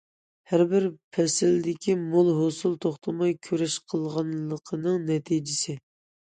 ھەربىر پەسىلدىكى مول ھوسۇل توختىماي كۈرەش قىلغانلىقنىڭ نەتىجىسى.